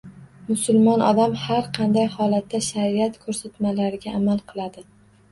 Musulmon odam har qanday holatda shariat ko‘rsatmalariga amal qiladi.